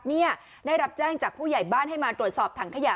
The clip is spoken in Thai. นี่ได้รับแจ้งจากผู้ใหญ่บ้านให้มาตรวจสอบถังขยะ